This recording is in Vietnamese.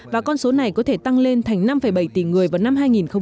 và con số này có thể tăng lên thành năm bảy tỷ người vào năm hai nghìn hai mươi